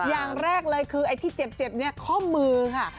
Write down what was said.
อย่างแรกเลยคือไอ้ที่เจ็บเนี่ยข้อมือค่ะ